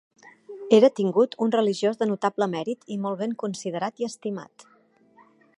Era tingut un religiós de notable mèrit i molt ben considerat i estimat.